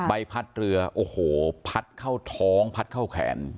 ใบพัดเรือโอ้โหพัดเข้าท้องพัดเข้าแขน